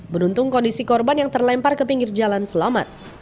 beruntung kondisi korban yang terlempar ke pinggir jalan selamat